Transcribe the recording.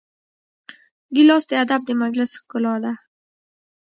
ګیلاس د ادب د مجلس ښکلا ده.